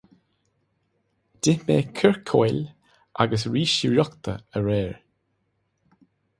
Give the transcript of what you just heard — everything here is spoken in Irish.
D'ith mé circeoil agus rís fhriochta aréir.